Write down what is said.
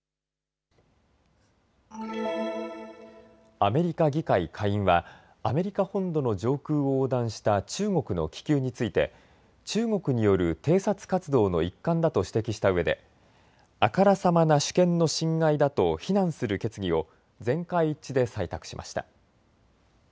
アメリカ議会下院はアメリカ本土の上空を横断した中国の気球について中国による偵察活動の一環だと指摘したうえであからさまな主権の侵害だと非難する決議を全会一致で採択しました。